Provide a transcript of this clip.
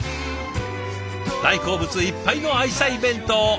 大好物いっぱいの愛妻弁当。